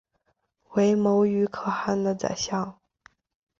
为牟羽可汗的宰相。